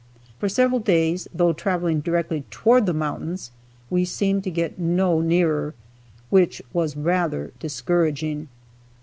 For several days, though traveling directly toward the mountains, we seemed to get no nearer, which was rather discouraging.